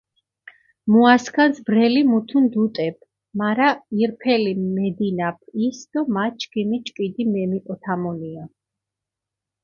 მუასქანს ბრელი მუთუნ დუტებ, მარა ირფელი მედინაფჷ ის დო მა ჩქიმი ჭკიდი მემიჸოთამუნია.